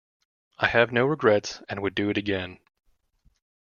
I have no regrets and would do it again.